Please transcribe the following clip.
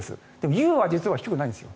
夕は実は低くないんです。